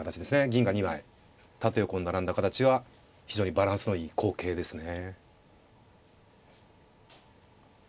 銀が２枚縦横に並んだ形は非常にバランスのいい好形ですね。